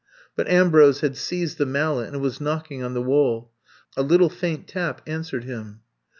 But Ambrose had seized the mallet and was knocking on the wall. A little faint tap answered him.